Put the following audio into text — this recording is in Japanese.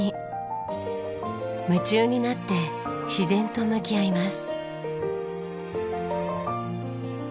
夢中になって自然と向き合います。